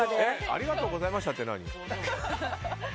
ありがとうございましたって何？